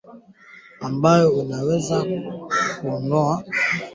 ambayo huathiri hasa ng'ombe kondoo mbuzi na ngamia katika ukanda wa kaskazini mwa Kenya